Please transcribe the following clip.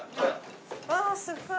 わあすごい。